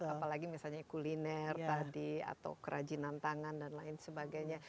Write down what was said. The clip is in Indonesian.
apalagi misalnya kuliner tadi atau kerajinan tangan dan lain sebagainya